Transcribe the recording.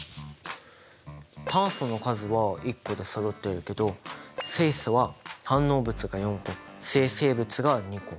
炭素の数は１個でそろっているけど水素は反応物が４個生成物が２個。